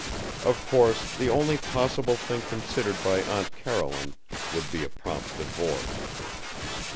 Of course, the only possible thing considered by Aunt Caroline would be a prompt divorce.